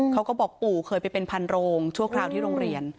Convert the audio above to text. เขาก็บอกปู่เคยไปเป็นพันโรงชั่วคราวที่โรงเรียน